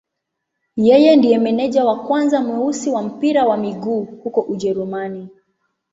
Yeye ndiye meneja wa kwanza mweusi wa mpira wa miguu huko Ujerumani.